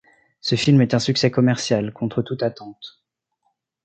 Ce film est un succès commercial, contre toute attente.